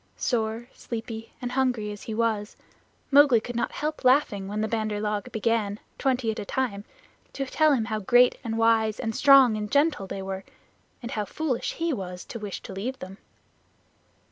Sore, sleepy, and hungry as he was, Mowgli could not help laughing when the Bandar log began, twenty at a time, to tell him how great and wise and strong and gentle they were, and how foolish he was to wish to leave them.